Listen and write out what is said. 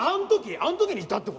あの時にいたって事？